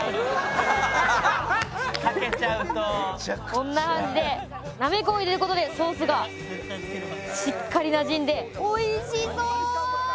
こんな感じでなめこを入れる事でソースがしっかりなじんで美味しそう！